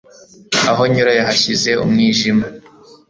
aho nyura yahashyize umwijima